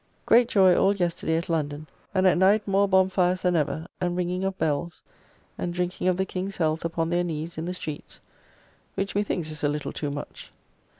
Great joy all yesterday at London, and at night more bonfires than ever, and ringing of bells, and drinking of the King's health upon their knees in the streets, which methinks is a little too much.